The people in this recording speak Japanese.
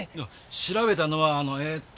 調べたのはあのえーっと。